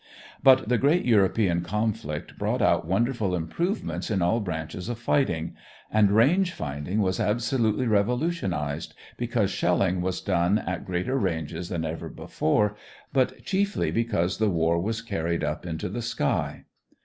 But the great European conflict brought out wonderful improvements in all branches of fighting; and range finding was absolutely revolutionized, because shelling was done at greater ranges than ever before, but chiefly because the war was carried up into the sky.